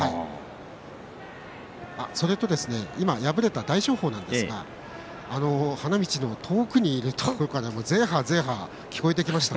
それと今敗れた大翔鵬ですが花道の遠くにいるところからぜえはあぜえはあ聞こえてきました。